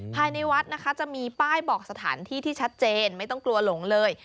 ภายในวัดนะคะจะมีป้ายบอกสถานที่ที่ชัดเจนไม่ต้องกลัวหลงเลย